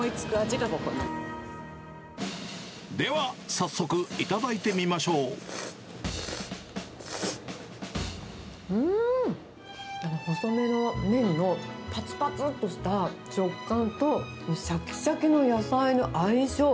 では、早速、頂いてみましょうーん、なんか細めの麺のぱつぱつっとした食感と、しゃきしゃきの野菜の相性。